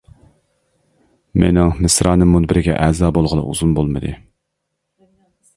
مىنىڭ مىسرانىم مۇنبىرىگە ئەزا بولغىلى ئۇزۇن بولمىدى.